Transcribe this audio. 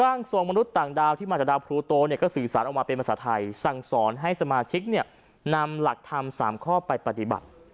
ทรงมนุษย์ต่างดาวที่มาจากดาวพลูโตเนี่ยก็สื่อสารออกมาเป็นภาษาไทยสั่งสอนให้สมาชิกเนี่ยนำหลักธรรม๓ข้อไปปฏิบัติ